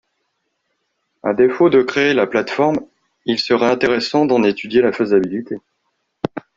À défaut de créer la plateforme, il serait intéressant d’en étudier la faisabilité.